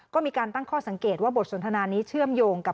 ก็มีการตั้งข้อสังเกตว่าบทสนทนานี้เชื่อมโยงกับ